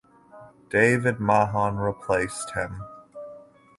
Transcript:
David Mahon replaced him.